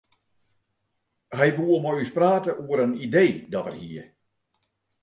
Hy woe mei ús prate oer in idee dat er hie.